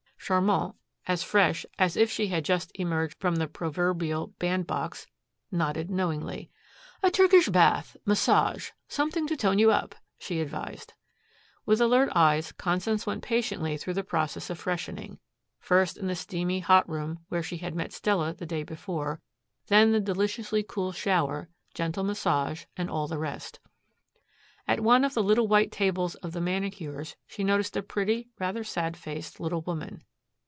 Charmant, as fresh as if she had just emerged from the proverbial bandbox, nodded knowingly. "A Turkish bath, massage, something to tone you up," she advised. With alert eyes Constance went patiently through the process of freshening, first in the steamy hot room where she had met Stella the day before, then the deliciously cool shower, gentle massage, and all the rest. At one of the little white tables of the manicures she noticed a pretty, rather sad faced little woman.